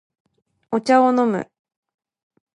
お茶を飲む